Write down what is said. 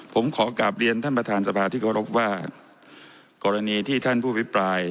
ผมขอกลับเรียนท่านประธานสมาชิกท่ารกฎว่ากรณีที่ท่านผู้พิผลาย